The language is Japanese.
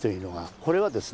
これはですね。